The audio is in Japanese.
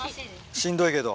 しんどいけど。